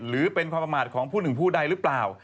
หรือเป็นความประมาทของผู้หนึ่งผู้ใดหรือเปล่า